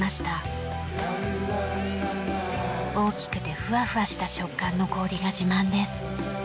大きくてふわふわした食感の氷が自慢です。